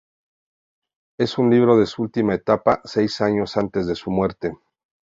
Es un libro de su última etapa, seis años antes de su muerte.